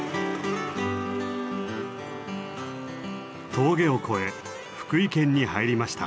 峠を越え福井県に入りました。